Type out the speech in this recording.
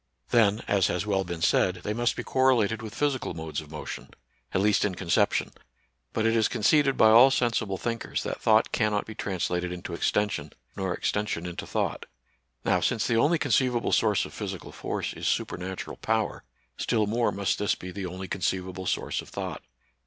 Then, as has well been said, they must be correlated with physical modes of motion, at least in conception; but it is conceded by all sensible thinkers that thought cannot be translated into extension, nor extension into thought. Now, since the only conceivable source of physical force is supernatural power, still more must this be the only conceivable source of thought.